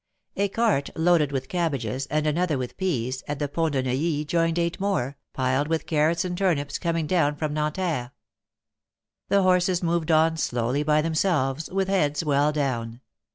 A cart loaded with cabbages, and another with peas, at the Pont de Neuilly joined eight more, piled W'ith carrots and turnips coming down from Nanterre; the horses moved on slowly by themselves, with heads well down.